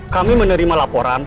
kami menerima laporan